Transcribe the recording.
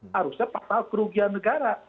harusnya pasal kerugian negara